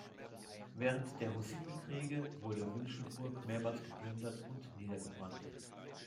Während der Hussitenkriege wurde Wünschelburg mehrmals geplündert und niedergebrannt.